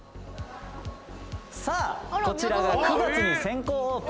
さあこちらが９月に先行オープンしました